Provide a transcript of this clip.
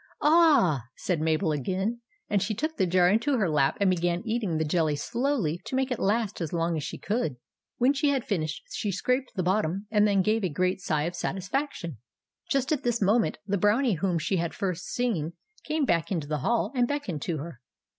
"Ah h h!" said Mabel again; and she took the jar into her lap and began eating the jelly slowly to make it last as long as she could. When she had finished, she scraped the bottom and then gave a great sigh of satisfaction. Just at this moment, the Brownie whom she had first seen came back into the hall, and beckoned to her.